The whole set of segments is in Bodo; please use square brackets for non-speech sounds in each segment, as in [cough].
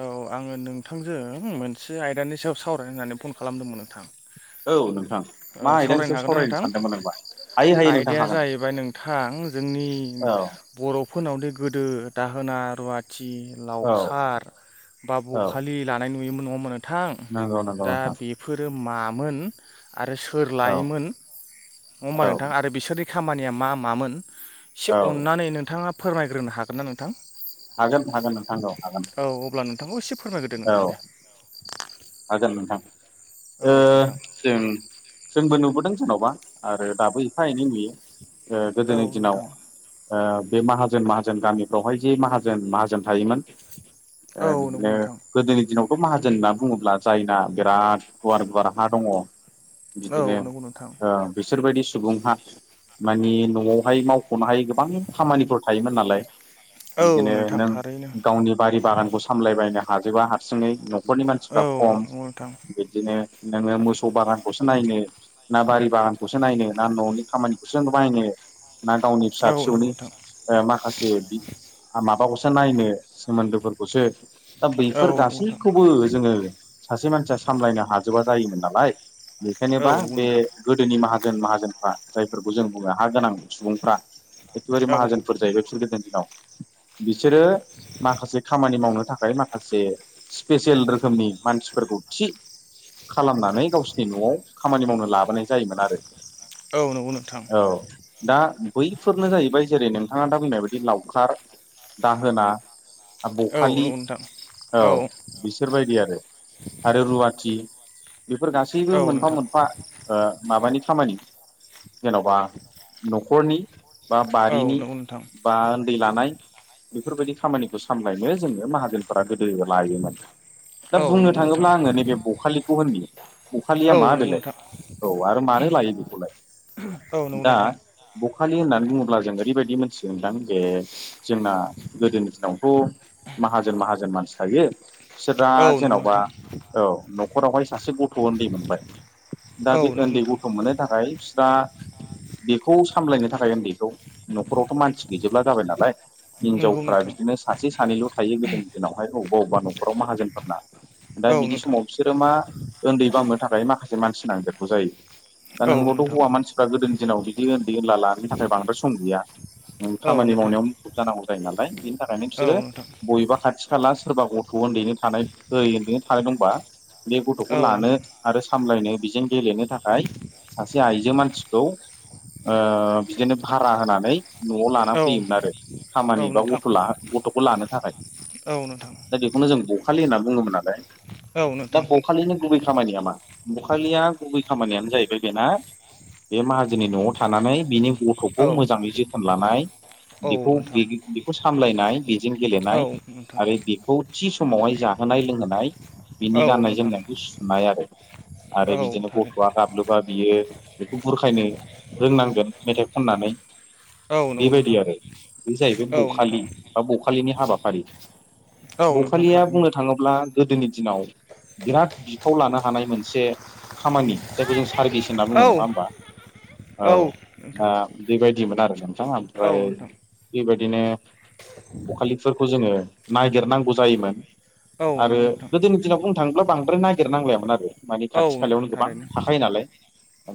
औ आङो नों नोंथांजों मोनसे आयदानि सायाव सावराय होननानै फन खालामदोंमोन नोंथां। औ नों सावरायनो हागोनना नोंथां हायो हायो नोंथां आयदाया हागोन जाहैबाय नोंथां जोंनि औ बर'फोरनावनो गोदो दाहोना रुवाथि औ लावखार बा औ बखालि लानाय नुयोमोन। नङा होमबा नोंथां नंगौ नंगौ दा नोंथां बेफोरो मामोन आरो सोर औ लायोमोन नङा होमबा औ नोंथां आरो बिसोर खामानिया मा मामोन एसे औ अननानै नोंथाङा फोरमायग्रोनो हागोनना नोंथां? हागोन हागोन नोंथां औ हागोन औ अब्ला नोंथांखौ एसे फोरमायग्रोदो नोंथां औ। दे। हागोन नोंथां औ ओं नोंथां जोंबो नुबोदों। जेनवबा आरो दाबो एफा एनै नुयो औ गोदोनि दिनाव नोंथां बे माहाजोन माहाजोन गामिफ्रावहाय जे माहाजोन माहाजोन थायोमोन। औ नंगौ बिदिनो नोंथां। गोदोनि दिनावथ' माहाजोन होनना बुङोब्ला जायना बिराद गुवार गुवार हा दङ औ बिदिनो नंगौ नोंथां बिसोरबायदि सुबुंहा माने न'आवहाय मावख'नो हाय गोबां खामानिफोर थायोमोन नालाय। औ बिदिनो नोंथां नों थारैनो गावनि बारि बागानखौ सामलायबायनो हाजोबा हारसिङै न'खरनि मानसिफ्रा औ खम नंगौ नोंथां बिदिनो नोङो मोसौ बागानखौ साम नायनो ना बारि बागानखौसो नायनो ना न'नि खामानिखौसो नायनो ना गावनि फिसा औ नंगौ फिसौनि नोंथां माखासे माबाखौ नायनो सोमोन्दोफोरखौसो दा बैफोर औ नंगौ नोंथां गासैखौबो जोङो सासे मानसिया सामलायनो हाजोबा जायोमोन नालाय बेखायनोबा औ नंगौ बे नोंथां गोदोनि माखासे जैन माहाजोनफ्रा जायफोरखौ जों बुङो हा गोनां सुबुंफ्रा एखेबारे औ माहाजोनफोर जायोबाय बिसोर गोद बिसोरो माखासे खामानि मावनो थाखाय माखासे स्पेसियेल रोखोमनि मानसिफोरखौ थि खालामनानै गावसिनि नआव खामानि मावनो लाबोनाय जायोमोन आरो औ नंगौ नोंथां औ दा बैफोरनो जाहैबाय जेरै नोंथाङा दा बुंनाय बायदि लावखार दाहोना औ बखालि नंगौ नोंथां औ बिसोरबायदि आरो आरो रुवाथि बेफोर गासैबो औ मोनफा नोंथां मोनफा माबानि खामानि जेनबा नखरनि बा औ बारिनि नंगौ नोंथां बा दै लानाय बेफोरबायदि खामानिखौ सामलायनो जोङो माहाजोनफोरा गोदो लायोमोन दा औ बुंनो नंगौ नोंथां थाङोब्ला आङो नैबे बखालिखौ होनयो बखालिया औ मा नंगौ बेलाय नोंथां औ आरो मानो लायो बेखौलाय औ नंगौ दा नोंथां बखालि होननानै होननानै बुङोब्ला जों ओरैबायदि मोनथिगोनदां बे जोंना गोदोनि दिनावथ माहाजोन माहाजोन मानसि थायो बिसोरा औ नंगौ जेनबा नोंथां औ नखरावहाय सासे गथ उन्दै मोनबाय दा औ बे नंगौ उन्दै नोंथां गथ मोननो थाखाय दा बेखौ सामलायनो थाखाय उन्दैखौ नखरावथ मानसि गैजोबला जाबाय नालाय नंगौ हिनजावफ्रा नोंथां बिदिनो सासे सानैल थायो गोदोनि दिनावहाय अबेबाबेबा न'खराव माहाजोनफोरना दा औ बिदि नोंथां समाव बिसोरो मा उन्दै बावनो थाखाय माखासे मानसि नांदेरगौ जायो दा औ नोंबथ नोंथां हौवा मानसिफ्रा गोदो दिनाव बिदि उन्दै उनला लनि थाखाय बांद्राय सम गैया औ खामानि नोंथां मावनायाव मुखुब जानांगौ जायो नालाय बिनि थाखायनो औ बिसोरो नोंथां बयेबा खाथि थि खाला सोरबा गथ उन्दैनो थानाय उन्दैनो थानाय दंबा बे गथखौ औ लानो नोंथां आरो सामलायनो बेजों गेलेनो थाखाय सासे आइजो मानसिखौ बिदिनो भारा होनानै नआव लाना औ फैयोमोन आरो औ खामानि बा नोंथां गथ गथ'खौ लानो थाखाय औ नोंथां दा बेखौनो जों बखालि होनना बुङोमोन नालाय औ दा नोंथां बखालिनो गुबै खामानिया मा बखालिया गुबै खामानियानो जाहैबाय बेना बे माहाजोननि नआव थानानै बिनि गथ'खौ औ मोजाङै जोथोन लानाय औ बेखौ नोंथां बेखौ सामलायनाय जों औ गेलेनाय नोंथां आरो बेखौ थि समावहाय जाहोनाय लोंहोनाय बिनि औ गाननाय नोंथां जोमनायखौ सुुनाय आरो आरो औ बिदिनो थारैनो गथ'आ गाबलोबा बियो बेखौ बुरखायनो रोंनांगोन मेथाइ खननानै औ नंगौ नोंथां बेबायदि आरो बे जाहैबाय औ नोंथां बखालि बा बखालिनि हाबाफारि औ नोंथां थारैनो दोनि दिनाव बिराद बिफाव लानो हानाय मोनसे खामानि जायखौ जों स थारगिस होनना बुङो नङा औ होमबा औ दा बेबायदिमोन आरो नों औ ओमफ्राय नोंथां बेबायदि बिदिनो बखालिफोरखौ जोङो नागिरनांगौ जायोमोन। औ आरो नंगौ नोंथां गोदोनि दिनाव बुंनो थाङोब्ला बांद्राय नागिरनांलायामोन आरो मानि औ खाथि नोंथां खालायावनो गोबां थारैनो थाखायो नालाय।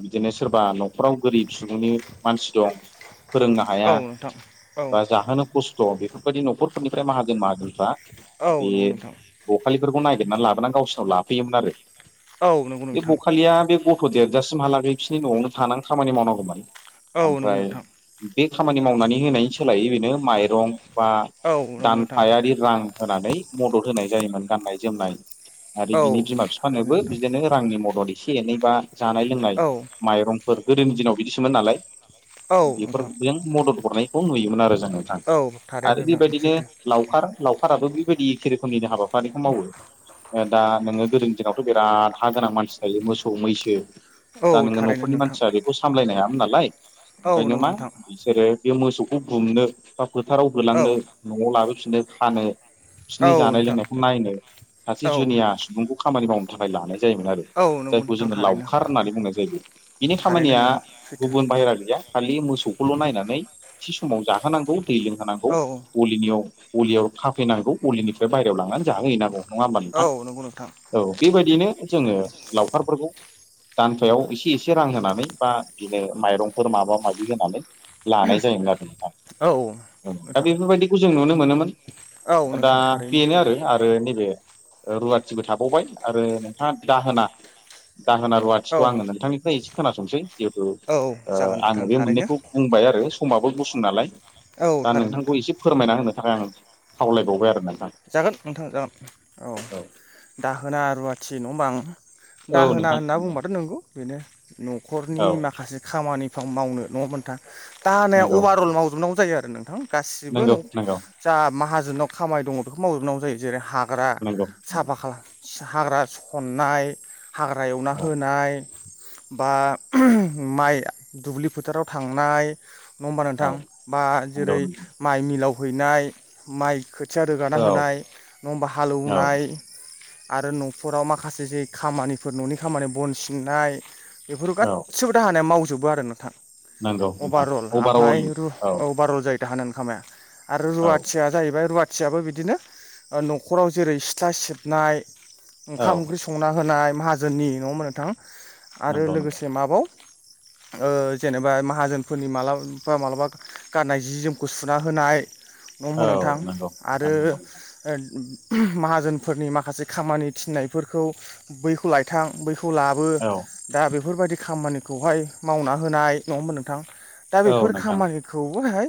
बिदिनो सोरबा न'खराव गोरिब सुबुंनि मानसि दं फोरोंनो औ हाया नोंथां औ बा जाहोनो खस्थ बेफोरबायदि न'खरफोरनिफ्राय माहाजोन माहाजोनफ्रा बे औ नंगौ नोंथां। बखालिफोरखौ नागिरनानै लाबोनानै गावसिनाव लाफैयोमोन आरो औ नंगौ बे नोंथां बखालिया बे गथ' देरजासिमहालागै बिसोरनि न'आवनो थानानै खामानि मावनांगौमोन औ नंगौ ओमफ्राय नोंथां बे खामानि मावनानै होनायनि सोलायो बेनो माइरं बा औ नंगौ नोंथां दानफायारि रां होनानै मदद होनाय जायोमोन गाननाय जोमनाय आरो औ बिनि बिमा थारैनो बिफानोबो नोंथां बिदिनो रांनि मदद एसे एनै बा जानाय लोंनाय औ माइरंफोर गोदोनि दिनाव बिदिसोमोन नालाय औ नोंथां बेफोरजों मदद हरनायखौ नुयोमोन आरो जों नोंथां औ थारैनो आरो नोंथां बेबायदिनो सैथो लावखार लावखाराबो बेबायदि एखे रोखोमनिनो हाबाफारिखौ मावो। ओ दा नोङो गोदोनि दिनावथ' बिराद हा गोनां मानसि थायो मोसौ मैसो औ दा नोङो थारैनो न'खरनि नोंथां मानसिया बेखौ सामलायनाया नालाय औ ओंखायनो नंगौ मा नोंथां बिसोरो बे मोसौखौ गुमनो बा फोथाराव औ होलांनो न'आव लाबोफिननो खानो औ बिसोरनि जानाय नोंथां लोंनाय खौ नायनो सासे औ जुनिया सुबुंखौ खामानि मावनो थाखाय लानाय जायोमोन आरो। औ नंगौ जायखौ नोंथां जोङो थारैनो लावखार होननानै बुंनाय जायो‌। बिनि थारैनो खामानिया नोंथां सैथो गुबुन बाहेरा गैया खालि मोसौ खौल' नायनानै थि समाव जाहोनांगौ दै लोंहोनांगौ औ गलिनियाव गलियाव खाफैनांगौ गलिनिफ्राय बाहेरायाव लांनानै जाहो हैैनांगौ नङा होमबा औ नोंथां? नंगौ नोंथां औ बेबायदि नो जोङो लावखारफोरखौ दानफायाव एसे एसे रां होनानै बा बिदिनो माइरंफोर माबा माबि होनानै लानाय जायोमोन आरो। औ औ दा नोंथां बेफोरबायदिखौ जों नुनो मोनोमोन औ दा नोंथां थारैनो बेनो सैथो आरो आरो नैबे रुवाथिबो थाबावबाय आरो नोंथाङा दाहोना दाहोना औ रुवाथिखौ आङो नोंथांनिफ्राय एसे खोनासंसै। जिहेथु औ ओ जागोन आङो नोंथां बे थारैनो मोननैखौ बुंबाय आरो समाबो गुसुं नालाय औ दा थारैनो नोंथां नोंथांखौ एसे फोरमायना होनो थाखाय आं खावलायबावबाय आरो नोंथां। जागोन नोंथां जागोन औ दाहोना रुवाथि नङा होमबा आं औ दाहोना नोंथां होनना बुंबाथ' नंगौ बेनो न'खरनि औ माखासे खामानि फोर मावनो नङा होमबा नोंथां? दाहानाया नंगौ अभारअल मावजोबनांगौ जायो आरो नोंथां। गासिबो नंगौ न' नंगौ जा माहाजोनाव खामानि दङ' बेखौ मावजोबनांगौ जायो जेरै हा ग्रा नंगौ साफा खाला, हाग्रा सननाय हाग्रा एवना औ होनाय बा माइ दुब्लि फोथाराव थांनाय नङा होमबा औ नोंथां बा नंगौ जेरै नंगौ माइ मिलाव हैनाय माइ खोथिया रोगाना औ होनाय नङा होमबा औ हालौवनाय आरो न'फोराव माखासे जे खामानिफोर न'नि खामानि बन सिननाय बेफोर औ गासिबो दाहोनाया मावजोबो आरो नोंथां। नंगौ नोंथां अभारअल ओमफ्राय अभारअल रु औ अभारअल जायो। दाहोनानि खामाया आरो औ रुवाथिया जाहैबाय रुवा थियाबो बिदिनो ओ न'खराव जेरै सिथ्ला सिबनाय औ ओंखाम ओंख्रि संना होनाय माहाजोननि नङा होमबा नोंथां आरो नंगौ नंगौ लोगोसे माबाव [inaudible] ओ जेनेबा माहाजोनफोरनि मालाबा मालाबा गाननाय जि जोमखौ सुना होनाय। नङा होमबा औ नोंथां नोंगौ। आरो ओ माहाजोनफोरनि माखासे खामानि थिननायफोरखौ बैखौ लायथां बै खौ लाबो औ दा बेफोरबायदि खामानिखौहाय मावना होनाय नङा होमबा नोंथां। दा औ बेफोर नोंथां खामानिखौबोहाय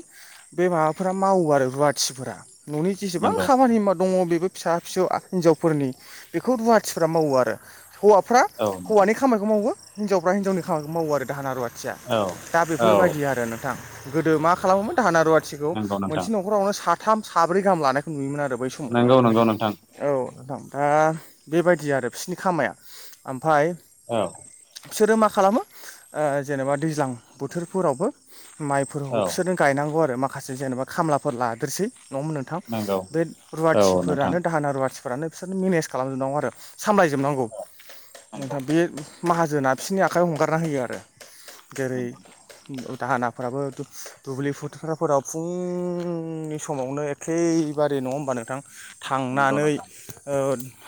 बे माबाफोरा मावो आरो रुवाथिफोरा। न'नि जेसेबां नंगौ खामानि दङ बेबो फिसा फिसौआ हिनजावफोरनि बेखौ रुवाथिफ्रा मावो आरो। हौवाफ्रा औ नोंथां हौवानि खामानिखौ मावो हिनजावफ्रा हिनावनि खामानिखौ मावो आरो दाहोना रुवा थिया। औ दा औ बेफोरबायदि आरो नोंथां गोदो मा खालामोमोन दाहोना रुवथिखौ नंगौ नोंथां मोनसे न'खरावनो साथाम साब्रै गाहाम लानायखौ नुयोमोन आरो बै समावहाय। नंगौ नंगौ नोंथां औ नोंथां दा बेबायदि आरो बिसिनि खामाया। ओमफाय औ बिसोरो मा खालामो जेनेबा दैज्लां बोथोरफोरावबो माइफोरखौ औ बिसोरनो गायनांगौ आरो माखासे जेनेबा खामलाफोर लादेरसै नङा होनबा नोंथां नंगौ बे औ नोंथां रुवाथिफोरानो दाहोना रुवाथि फोरानो बिसोरनो मेनेज खालामजोबनांगौ आरो सामलायजोबनांगौ नंगौ बे माहाजोना बिसोरनि आखाइयाव हगारना होयो आरो जेरै नंगौ दाहोनाफ्राबो दुब्लि फोथारफोराव फुंनि सम समावनो एखेबारे नङा होनबा नोंथां थांनानै नोंथां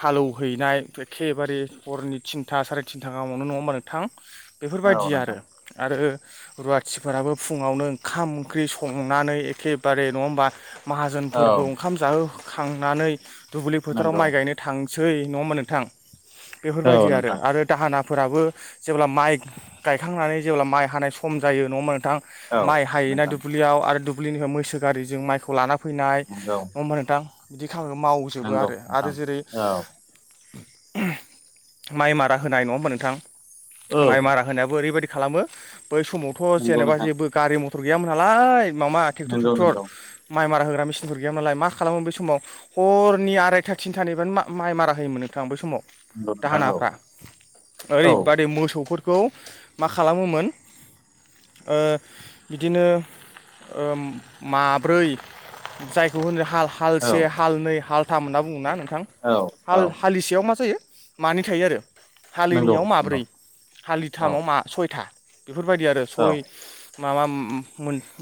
हालेवहैनाय एखेबारे हरनि थिनथा साराय थिनथा गाहामावनो नङा होनबा नोंथां औ बेफोरबायदि नोंथां आरो-आरो रुवाथिफोराबो फुङावनो ओंखाम ओंख्रि संनानै एखेबारे नङा होमबा औ माहाजोनफोरखौ ओंखाम जाहोखांनानै दुब्लि फोथाराव नंगौ माइ गायनो थां सै नङा होनबा नोंथां औ बेफोरबायदि नोंथां आरो दाहोना फोराबो जेब्ला माइ गायखांनानै जेब्ला माइ हानाय सम जायो नङा होनबा नोंथां औ माइ हायोना नोंथां दुब्लियाव आरो दुब्लिनिफ्राय मैसो गारिजों माइखौ लाना फैनाय नङा नंगौ होनबा नोंथां बिदि खामानिखौ मावजोबो नंगौ आरो- आरो नोंथां जेरै औ माइ मारा होनाय नङा होमबा नोंथां औ माइ मारा होनायाबो ओरैबायदि खालामो बै समावथ' नंगौ जेनेबा नोंथां जेबो गारि मटर गैयामोन नालाय माबा नंगौ ट्रेक्टर-ट्रेक्टर नंगौ माइ मारा होग्रा मेसिनफोर गैयामोन नालाय मा खालामो बै समाव हरनि आरायथा थिनथानिफ्रायनो माइ मारा होयोमोननो बे समाव नंगौ नोंथां दाहोनाफ्रा औ ओरैबादै मोसौफोर खौ मा खालामोमोन बिदिनो माब्रै जायखौ होनो हाल औ हालसे हालनै हालथाम होनना बुङोना नोंथां नोंथां औ हाल औ हालिसेयाव मा जायो मानै थायो आरो नंगौ हालिनैयाव माब्रै नंगौ औ हालिथामाव मा सयथा बेफोरबायदि आरो औ सय माबा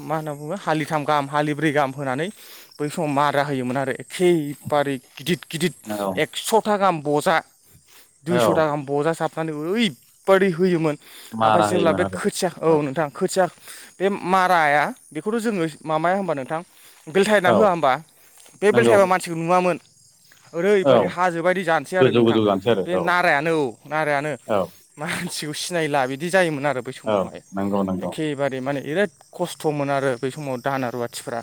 मा होनना बुङो हालिथाम गाहाम हालिब्रै गाहाम होनानै बै समाव मारा होयोमोन आरो एखेबारे गिदिर गिदिर औ एकस' था गाहाम बजा औ दुइस' था गाहाम बजा जाब ओरैबादि होयोमोन ओमफ्राय मारा जेब्ला होयोमोन बे आरो खोथिया औ नोंथां खोथिया बे माराया बेखौथ' जोङो माबाया होनबा नोंथां बेलथायना औ होआ होमबा बे नंगौ बेलथायाबा मानसिखौ नुवामोन औ ओरैबायदि हाजोबायदि जानोसै आरो गोजौ नोंथां गोजौ जानोसै आरो बे औ नारायानो औ नारायानो औ मानसिखौ सिनायला बिदि जायोमोन आरो बै औ समावहाय नंगौ नंगौ एखेबारे माने बिराद खस्थ'मोन आरो बै समाव दाहोना रुवाथिफ्रा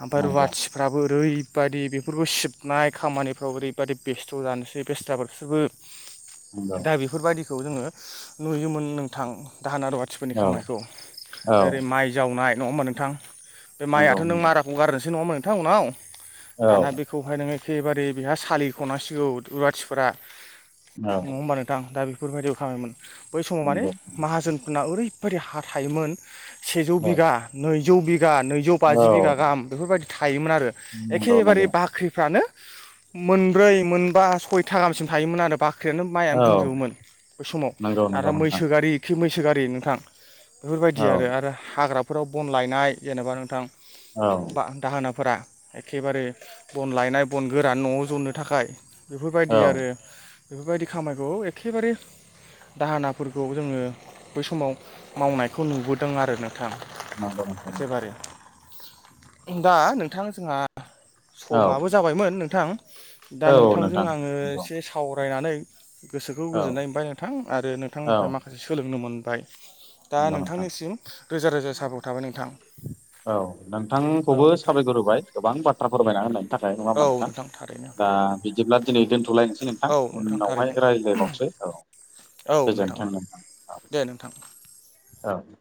ओमफ्राय नंगौ रुवाथिफ्राबो ओरै बायदि बेफोरखौ सिबनाय खामानिफ्राव ओरैबादि बेस्थ' जानोसै बेस्रा बेसोरबो नंगौ दा बेफोर बादिखौ जोङो नुयोमोन नोंथां दाहोना रुवाथिफोरनि औ खामानिखौ औ ओरै माइ जावनाय नङा होमबा नोंथां बे माइआ नंगौ नों नंगौ माराखौ गारनोसै नङा होनबा नोंथां उनाव औ दाना बेखौहाय नोङो एखेबारे बेहा सालिख'नांसिगौ रुवाथिफोरा औ नङा होमबा नोंथां दा बे बेफोरबायदि खामानिमोन बै समाव माने नंगौ माहाजोनफोरना ओरैबायदि हा थायोमोन सेजौ औ बिघा नैजौ बिघा नै औ बाजि बिगा गाहाम बेफोरबायदि थायोमोन आरो नंगौ एखेबारे नंगौ बाख्रिफ्रानो मोनब्रै मोनबा सयथा गाहामसिम थायोमोन आरो बा बाख्रियानो माइयानो औ बुंजोबोमोन बै समाव नंगौ नंगौ आरो नोंथां मैसो गारि खि मैसो गारि नोंथां बेफोरबायदि औ आरो आरो हाग्राफोराव बन लायनाय जेनेबा नोंथां औ बा दाहोनाफोरा एखेबारे बन लायनाय बन गोरान न'आव जननो थाखाय बेफोरबायदि औ आरो बेफोरबायदि खामायखौ एखेबारे दाहोनाफोरखौ जोङो बै समाव मावनायखौ नुबोदों आरो नोंथां एखेबारे [unintelligible] दा नोंथां जोंहा औ समाबो जाबायमोन नोंथां दा औ नोंथांजों नोंथां आङो नंगौ एसे सावरायनानै गोसोखौ औ गोजोननाय मोनबाय नोंथां आरो औ नोंथांनिफ्राय माखासे सोलोंनो मोन दा नंगौ नोंथां नोंथांनिसिम रोजा रोजा साबायखर थाबाय नोंथां औ औ नोंथांखौबो नोंथां साबायखर होबाय गोबां बाथ्रा फोरमायना होननायनि थाखाय नङा औ होमबा नोंथां थारैनो दा बिदिब्ला दिनै दोनथ'लायनोसै नोंथां औ उन्नावहाय थारैनो रायलायबावसै औ गोजोनथों नोंथां दे नोंथां औ औ